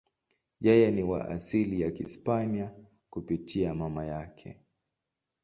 Yeye ni wa asili ya Kihispania kupitia mama yake.